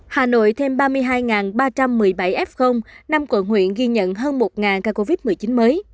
hà nội thêm ba mươi hai ba trăm một mươi bảy f năm quận huyện ghi nhận hơn một ca covid một mươi chín mới